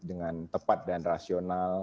dengan tepat dan rasional